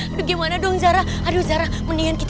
aduh gawat gawat